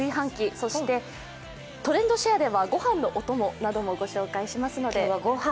そして「トレンドシェア」ではご飯のおともも御紹介します。